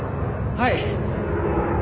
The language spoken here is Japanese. はい。